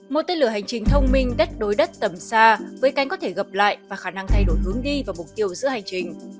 một tên lửa hành trình thông minh đất đối đất tầm xa với cánh có thể gập lại và khả năng thay đổi hướng đi và mục tiêu giữa hành trình